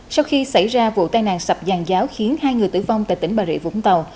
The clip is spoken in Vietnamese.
sau khi xảy ra vụ tai nạn sập giàn giáo khiến hai người tử vong tại tỉnh bà rịa vũng tàu